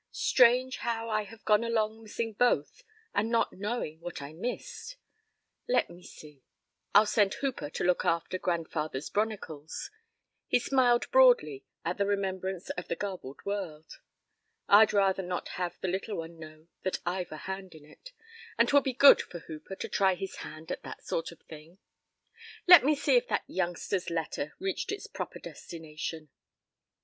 Strange how I have gone along missing both and not knowing what I missed. Let me see. I'll send Hooper to look after grandfather's 'bronicles;' he smiled broadly at the remembrance of the garbled word. I'd rather not have the little one know that I've a hand in it, and 'twill be good for Hooper to try his hand at that sort of thing. Let me see if that youngster's letter reached its proper destination."